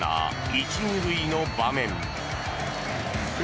１、２塁の場面。